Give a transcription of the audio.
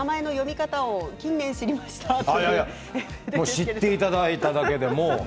知っていただいただけでも。